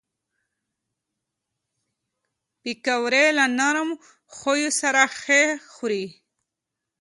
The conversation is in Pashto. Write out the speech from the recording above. پکورې له نرم خویو سره ښه خوري